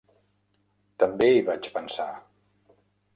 També hi vaig pensar.